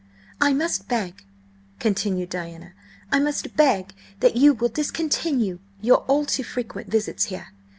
"I must beg," continued Diana, "I must beg that you will discontinue your all too frequent visits here.